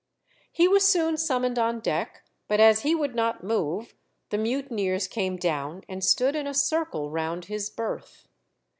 He was soon summoned on deck, but as he would not move, the mutineers came down and stood in a circle round his berth.